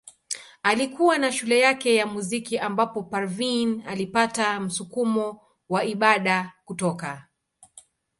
Alikuwa na shule yake ya muziki ambapo Parveen alipata msukumo wa ibada kutoka.